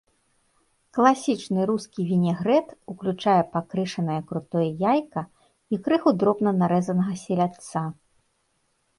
Класічны рускі вінегрэт уключае пакрышанае крутое яйка і крыху дробна нарэзанага селядца.